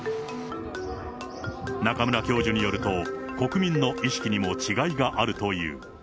中村教授によると、国民の意識にも違いがあるという。